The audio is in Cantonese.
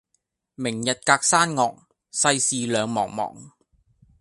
明日隔山岳，世事兩茫茫。